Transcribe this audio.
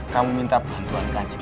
kamu minta bantuan kancing